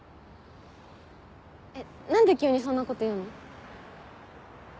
えっ何で急にそんなこと言うの？